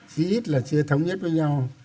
chí ít là chưa thống nhất với nhau